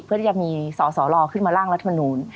เพื่อจะมีสอรขึ้นมาล่างรัฐมนูล